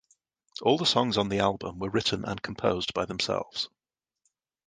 All the songs on the album were written and composed by themselves.